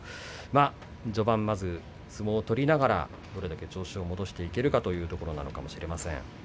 序盤、相撲を取りながらどれだけ調子を戻していけるかというところかもしれません。